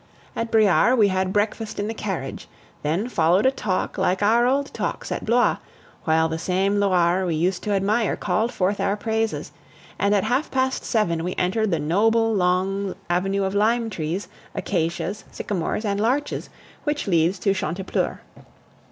At Briare we had breakfast in the carriage. Then followed a talk like our old talks at Blois, while the same Loire we used to admire called forth our praises, and at half past seven we entered the noble long avenue of lime trees, acacias, sycamores, and larches which leads to Chantepleurs.